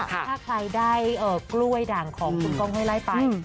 ถ้าใครได้กล้วยด่างของคุณก้องห้วยไล่ไป